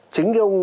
chính cái ông